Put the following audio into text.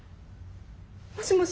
もしもし？